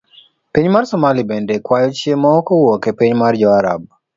Piny mar somali bende kwayo chiemo kowuok epiny mar jo Arab.